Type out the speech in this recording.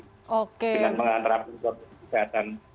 dengan mengatakan kegiatan